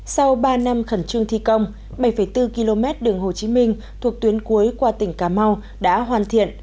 sau ba năm khẩn trương thi công bảy bốn km đường hồ chí minh thuộc tuyến cuối qua tỉnh cà mau đã hoàn thiện